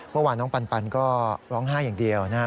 เมื่อวานน้องปันก็ร้องไห้อย่างเดียวนะครับ